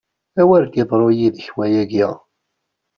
A wer d-iḍru yid-k wayagi!